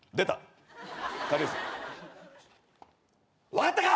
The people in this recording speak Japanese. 分かったか？